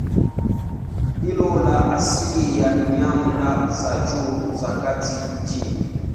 Ndilo la asili la nyanda za juu za kati nchini.